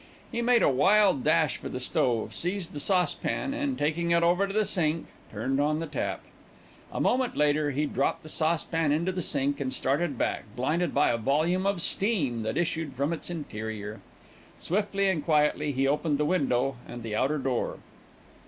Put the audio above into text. He made a wild dash for the stove, seized the saucepan and, taking it over to the sink, turned on the tap. A moment later he dropped the saucepan into the sink and started back, blinded by a volume of steam that issued from its interior. Swiftly and quietly he opened the window and the outer door.